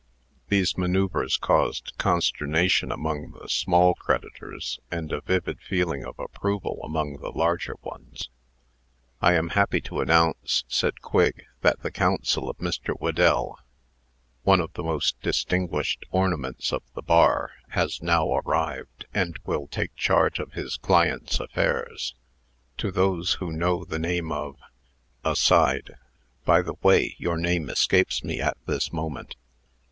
These manoeuvres caused consternation among the small creditors, and a vivid feeling of approval among the larger ones. "I am happy to announce," said Quigg, "that the counsel of Mr. Whedell one of the most distinguished ornaments of the bar has now arrived, and will take charge of his client's affairs. To those who know the name of " (Aside) "By the way, your name escapes me at this moment."